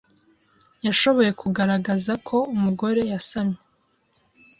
yashoboye kugaragaza ko umugore yasamye